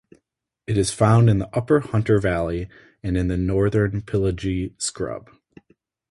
It is found in the upper Hunter Valley and in the northern Pilliga scrub.